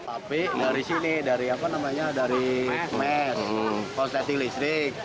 api dari sini dari mes konstetik listrik